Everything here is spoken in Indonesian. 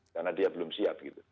karena dia belum siap